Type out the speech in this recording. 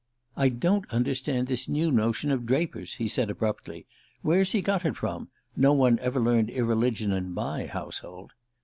"I don't understand this new notion of Draper's," he said abruptly. "Where's he got it from? No one ever learned irreligion in my household."